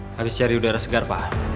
harus cari udara segar pak